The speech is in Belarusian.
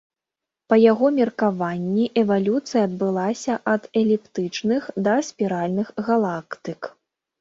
Па яго меркаванні эвалюцыя адбывалася ад эліптычных да спіральных галактык.